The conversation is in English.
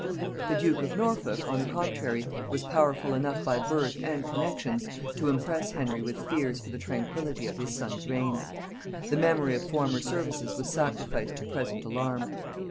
The duke of Norfolk, on the contrary, was powerful enough by birth and connexions to impress Henry with fears for the tranquillity of his son's reign. The memory of former services was sacrificed to present alarm.